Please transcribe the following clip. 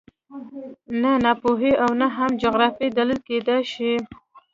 نه ناپوهي او نه هم جغرافیه دلیل کېدای شي